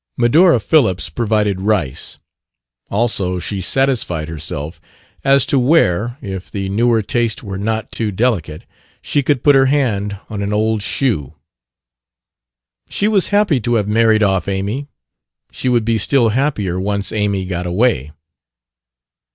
Medora Phillips provided rice. Also she satisfied herself as to where, if the newer taste were not too delicate, she could put her hand on an old shoe. She was happy to have married off Amy; she would be still happier once Amy got away.